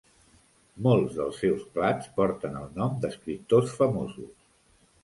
Molts dels seus plats porten el nom d'escriptors famosos.